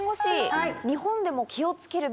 はい。